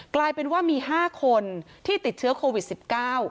กลายเป็นว่ามีห้าคนที่ติดเชื้อโควิดสิบเก้า